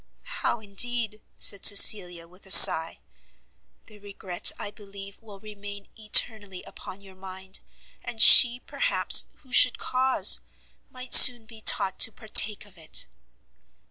"How indeed!" said Cecilia, with a sigh; "the regret, I believe, will remain eternally upon your mind, and she, perhaps, who should cause, might soon be taught to partake of it."